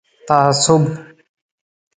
تعصب